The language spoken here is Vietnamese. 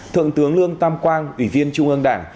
thượng tướng lương tam quang ủy viên trung ương đảng